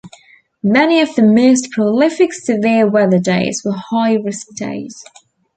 Many of the most prolific severe weather days were high risk days.